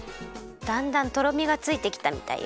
だんだんとろみがついてきたみたいよ。